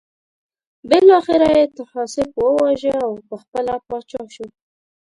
بالاخره یې طاهاسپ وواژه او پخپله پاچا شو.